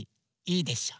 いいでしょ？